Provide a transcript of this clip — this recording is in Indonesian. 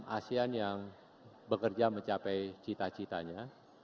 asean yang bekerja mencapai cita citanya